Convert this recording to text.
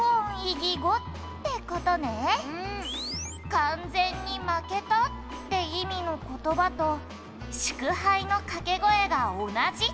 「完全に負けたって意味の言葉と祝杯の掛け声が同じってわけね」